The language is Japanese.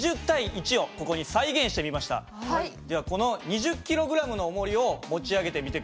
ではこの２０ｋｇのおもりを持ち上げてみて下さい。